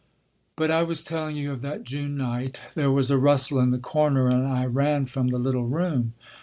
"But I was telling you of that June night. There was a rustle in the corner, and I ran from the little room.